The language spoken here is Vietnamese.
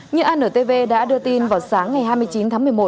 như antv đã đưa tin vào sáng ngày hai mươi chín tháng một mươi một